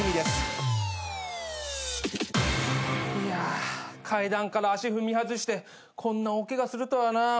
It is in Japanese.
いや階段から足踏み外してこんな大ケガするとはな。